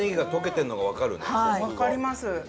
わかります。